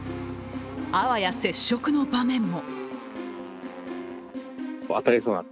あわや接触の場面も。